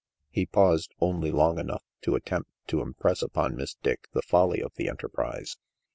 He paused only long enough to attempt to impress upon Miss Dick the folly of the enterprise.